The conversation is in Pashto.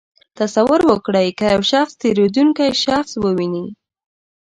تصور وکړئ که یو شخص تېرېدونکی شخص وویني.